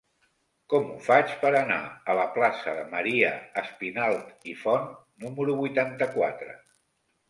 Com ho faig per anar a la plaça de Maria Espinalt i Font número vuitanta-quatre?